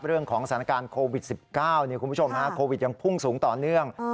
เรื่องของสถานการณ์โควิด๑๙คุณผู้ชมฮะโควิดยังพุ่งสูงต่อเนื่อง